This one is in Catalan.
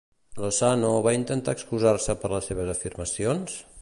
Lozano va intentar excusar-se per les seves afirmacions?